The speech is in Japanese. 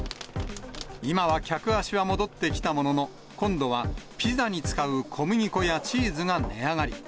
今は客足は戻ってきたものの、今度はピザに使う小麦粉やチーズが値上がり。